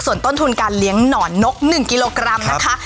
ส่วนต้นทุนการเลี้ยงหนอนนก๑กิโลกรัมนะคะ